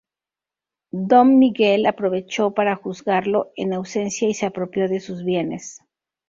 Dom Miguel aprovechó para juzgarlo en ausencia y se apropió de sus bienes.